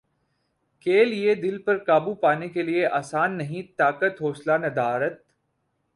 کے لیے دل پر قابو پانے کیلئے آسان نہیں طاقت حوصلہ ندارد